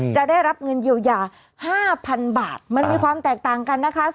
จะได้รับเงินเยียวยา๕๐๐๐บาทมันมีความแตกต่างกันนะคะ